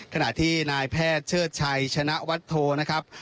ขณะที่นายแพทย์เชิดชัยชนะวัดโทนะครับ